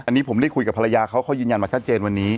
อันนี้ผมได้คุยกับภรรยาเขาเขายืนยันมาชัดเจนวันนี้